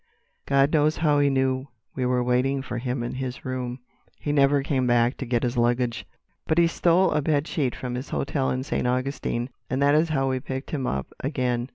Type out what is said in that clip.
God knows how he knew we were waiting for him in his room. He never came back to get his luggage. "But he stole a bed sheet from his hotel in St. Augustine, and that is how we picked him up again.